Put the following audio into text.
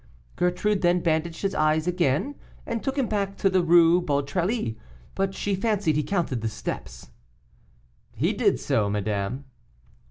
Gertrude then bandaged his eyes again, and took him back to the Rue Beautrellis, but she fancied he counted the steps." "He did so, madame."